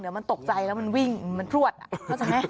เดี๋ยวมันตกใจแล้วมันวิ่งมันพลวดอ่ะเข้าใจไหม